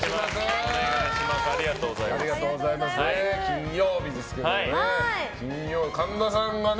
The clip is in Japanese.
金曜日ですけどね。